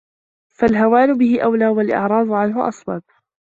فَالْهَوَانُ بِهِ أَوْلَى وَالْإِعْرَاضُ عَنْهُ أَصْوَبُ